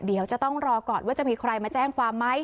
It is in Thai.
เดี๋ยวจะต้องรอก่อนว่าจะมีใครมาแจ้งความไหม